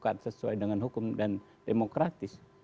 yang dilakukan sesuai dengan hukum dan demokratis